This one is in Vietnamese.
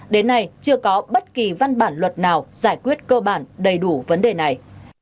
đến nay chưa có bất kỳ văn bản luật nào giải quyết cơ bản đầy đủ vấn đề này